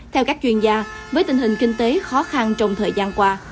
theo các chuyên gia với tình hình kinh tế khó khăn trong thời gian qua